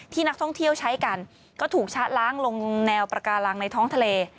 นักท่องเที่ยวใช้กันก็ถูกชะล้างลงแนวปากาลังในท้องทะเล